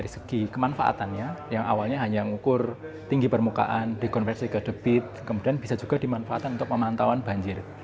dari segi kemanfaatannya yang awalnya hanya mengukur tinggi permukaan dikonversi ke debit kemudian bisa juga dimanfaatkan untuk pemantauan banjir